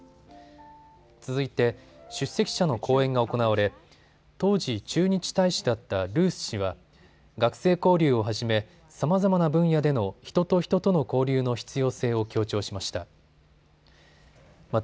続いて出席者の講演が行われ当時、駐日大使だったルース氏は学生交流をはじめ、さまざまな分野での人と人との交流の必要性を強調しました。